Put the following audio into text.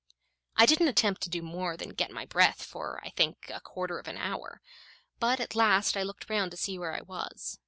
I didn't attempt to do more than get my breath for, I think, a quarter of an hour; but at last I looked round to see where I was.